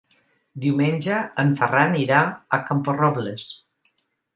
Diumenge en Ferran irà a Camporrobles.